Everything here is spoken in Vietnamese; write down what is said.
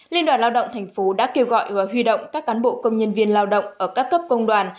liên đoàn lao động tp đã kêu gọi huy động các cán bộ công nhân viên lao động ở các cấp công đoàn